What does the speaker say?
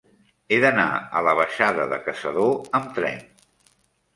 He d'anar a la baixada de Caçador amb tren.